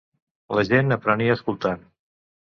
La gent aprenia escoltant.